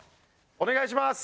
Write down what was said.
お願いします！